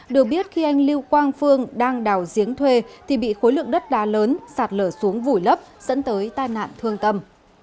được biết khi anh lưu quang phương đang đào giếng thuê thì bị khối lượng đất đá lớn sạt lở xuống vùi lấp dẫn tới tai nạn thương tâm